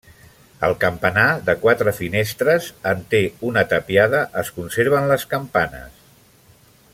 Al campanar, de quatre finestres, en té una tapiada, es conserven les campanes.